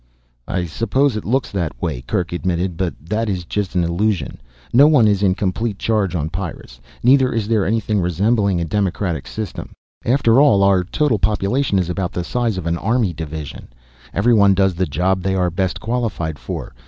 "I suppose it looks that way," Kerk admitted. "But that is just an illusion. No one is in complete charge on Pyrrus, neither is there anything resembling a democratic system. After all, our total population is about the size of an army division. Everyone does the job they are best qualified for.